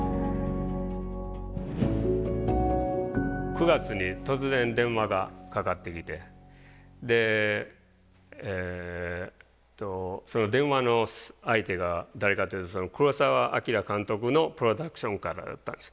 ９月に突然電話がかかってきてでその電話の相手が誰かっていうと黒澤明監督のプロダクションからだったんです。